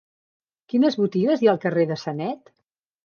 Quines botigues hi ha al carrer de Sanet?